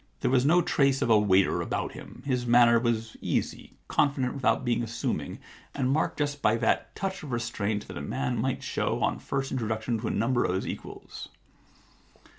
There was no trace of a waiter about him. His manner was easy, confident without being assuming, and marked just by that touch 115 The Problem Club of restraint that a man might show on first introduction to a number of his equals.